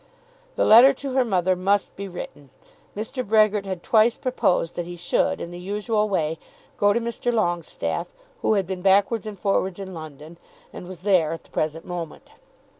The letter to her mother must be written. Mr. Brehgert had twice proposed that he should, in the usual way, go to Mr. Longestaffe, who had been backwards and forwards in London, and was there at the present moment.